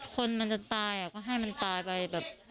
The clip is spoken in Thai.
คนมันจะตายก็ให้มันตายไปแบบ